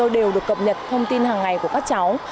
đều được cập nhật thông tin hàng ngày của các cháu